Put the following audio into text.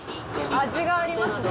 味がありますね